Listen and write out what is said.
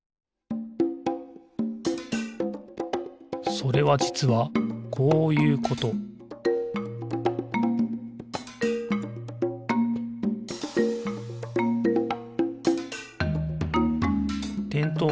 それはじつはこういうことてんとう